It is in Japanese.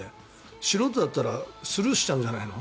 素人だったらスルーしちゃうんじゃないの。